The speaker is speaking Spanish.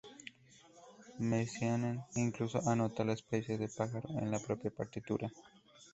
Messiaen incluso anota la especie de pájaro en la propia partitura.